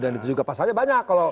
dan itu juga pasalnya banyak